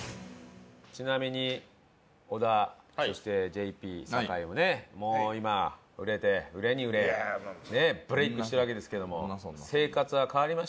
ちなみに小田そしてＪＰ酒井もねもう今売れて売れに売れブレイクしてるわけですけどもどう？